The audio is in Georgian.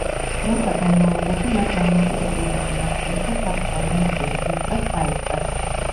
დროთა განმავლობაში მათ დამოუკიდებლობას მიაღწიეს და საკუთარი მონეტების მოჭრაც დაიწყეს.